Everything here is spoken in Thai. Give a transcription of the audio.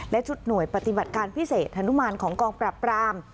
และชุดหน่วยปฏิบัติการพิเศษธนุมานของกองปรับปราม